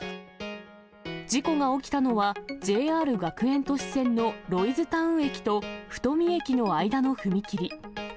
事故が起きたのは、ＪＲ学園都市線のロイズタウン駅と太美駅の間の踏切。